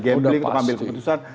gambling untuk ambil keputusan